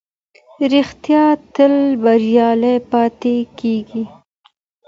رښتيا تل بريالی پاتې کېږي.